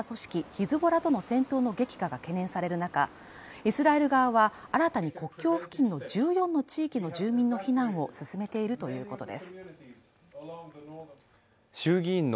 ヒズボラとの戦闘の激化が懸念される中、イスラエル側は新たに国境付近の１４の地域の住民の避難を進めているということです。